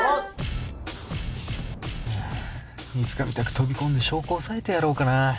いつかみたく飛び込んで証拠押さえてやろうかな。